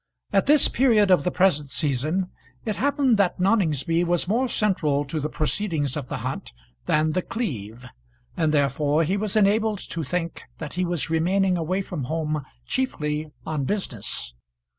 At this period of the present season it happened that Noningsby was more central to the proceedings of the hunt than The Cleeve, and therefore he was enabled to think that he was remaining away from home chiefly on business.